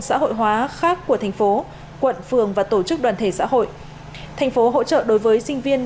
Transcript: xã hội hóa khác của thành phố quận phường và tổ chức đoàn thể xã hội thành phố hỗ trợ đối với sinh viên